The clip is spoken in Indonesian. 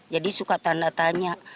jadi suka tanda tanya